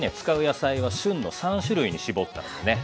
野菜は旬の３種類に絞ったのでね